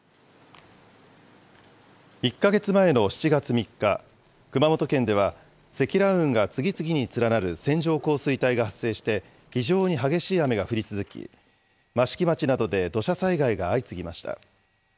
１か月前の７月３日、熊本県では積乱雲が次々に連なる線状降水帯が発生して、非常に激しい雨が降り続き、益城町などで土砂災害が相次ぎました。